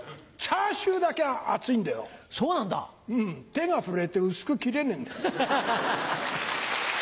手が震えて薄く切れねえんだよ。